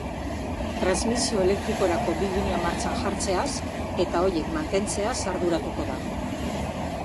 Transmisio elektrikorako bi linea martxan jartzeaz eta horiek mantentzeaz arduratuko da.